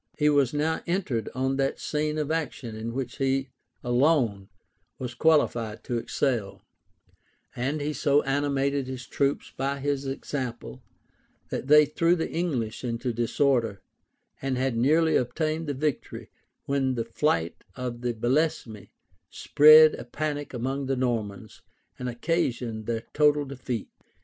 He was now entered on that scene of action in which alone he was qualified to excel; and he so animated his troops by his example, that they threw the English into disorder, and had nearly obtained the victory,[*] when the flight of Belesme spread a panic among the Normans, and occasioned their total defeat.